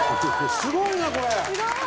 すごいなこれ！